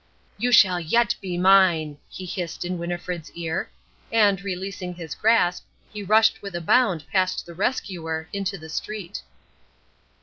"You shall yet be mine!" he hissed in Winnifred's ear, and, releasing his grasp, he rushed with a bound past the rescuer into the street.